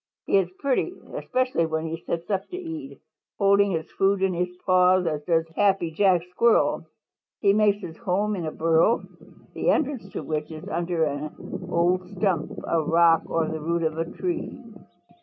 He is pretty, especially when he sits up to eat, holding his food in his paws as does Happy Jack Squirrel. He makes his home in a burrow, the entrance to which is under an old stump, a rock or the root of a tree.